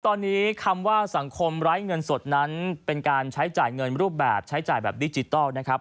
ตอนนี้คำว่าสังคมไร้เงินสดนั้นเป็นการใช้จ่ายเงินรูปแบบใช้จ่ายแบบดิจิทัลนะครับ